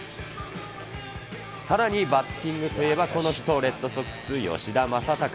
さらにバッティングといえばこの人、レッドソックス、吉田正尚。